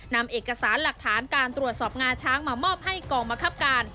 นำเอกสารหลักฐานการตรวจสอบงาช้างมามอบให้กองบังคับการ